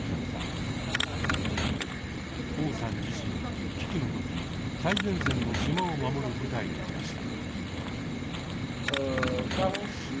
汪さん自身危機の時最前線の島を守る部隊にいました。